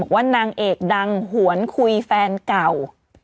บอกว่ามีแมนนานเอกดังหวนคุยแฟนเก่า